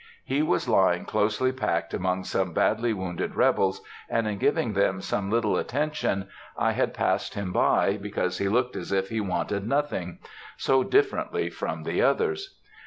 ] He was lying closely packed among some badly wounded rebels, and in giving them some little attention I had passed him by, because he looked as if he wanted nothing,—so differently from the others.